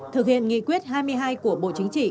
thực hiện nghị quyết hai mươi hai của bộ chính trị